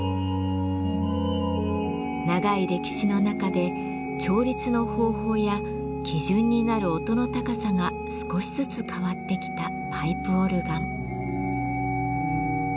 長い歴史の中で調律の方法や基準になる音の高さが少しずつ変わってきたパイプオルガン。